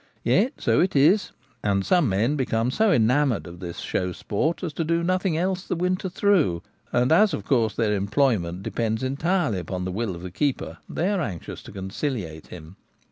Yet so it is ; and some men become so enamoured of this slow sport as to do nothing else the winter * through ; and as of course their employment depends entirely upon the will of the keeper, they are anxious to conciliate him.